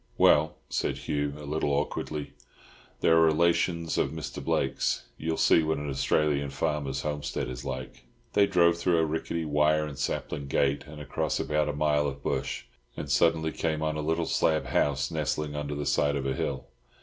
"Well," said Hugh, a little awkwardly, "they are relations of Mr. Blake's. You'll see what an Australian farmer's homestead is like." They drove through a rickety wire and sapling gate and across about a mile of bush, and suddenly came on a little slab house nestling under the side of a hill.